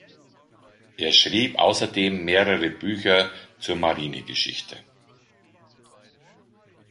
Er schrieb außerdem mehrere Bücher zur Marinegeschichte.